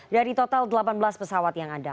dari total delapan belas pesawat yang ada